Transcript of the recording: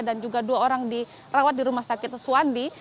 dan juga dua orang dirawat di rumah sakit suwandi